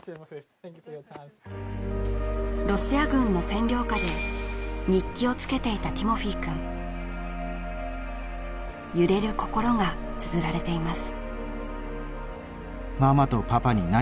ロシア軍の占領下で日記をつけていたティモフィーくん揺れる心が綴られています